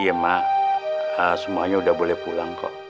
iya mak semuanya udah boleh pulang kok